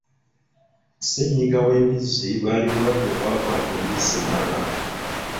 Ssennyinga w'embizzi bwali bulwadde obwakata embizzi n'abantu.